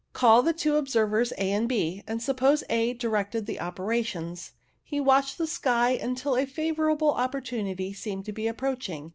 Call the two observers A and B, and suppose A directed the operations. He watched the sky until a favourable opportunity seemed to be approaching.